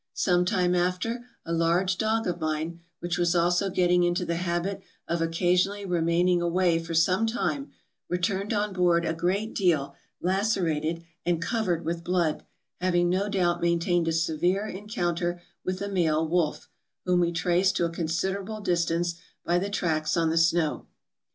... Some time after, a large dog of mine, which was also getting into the habit of occasionally remaining away for some time, returned on board a great deal lacerated MISCELLANEOUS 487 and covered with blood, having no doubt maintained a severe encounter with a male wolf, whom we traced to a considerable distance by the tracks on the snow.